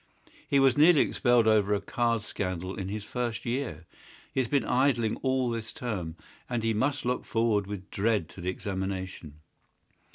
He was nearly expelled over a card scandal in his first year. He has been idling all this term, and he must look forward with dread to the examination."